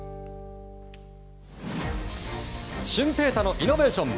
舜平大のイノベーション